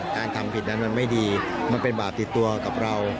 การทำผิดนั้นมันไม่ดีมันเป็นบาปติดตัวกับเรา